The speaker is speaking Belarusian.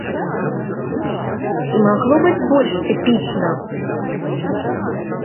Ці магло быць больш эпічна?